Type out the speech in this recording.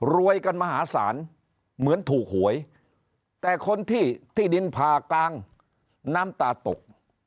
รวยกันมหาศาลเหมือนถูกหวยแต่คนที่ที่ดินผ่ากลางน้ำตาตก